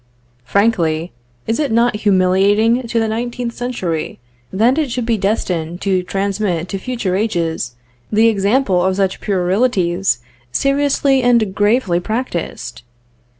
Frankly, is it not humiliating to the nineteenth century, that it should be destined to transmit to future ages the example of such puerilities seriously and gravely practiced?